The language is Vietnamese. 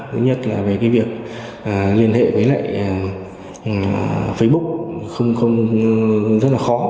thứ nhất là về việc liên hệ với facebook rất là khó